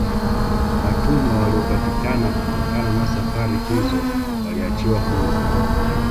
Watumwa waliopatikana kutokana na safari hizo waliachiwa huru